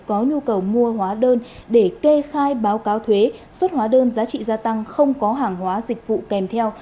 có nhu cầu mua hóa đơn để kê khai báo cáo thuế xuất hóa đơn giá trị gia tăng không có hàng hóa dịch vụ kèm theo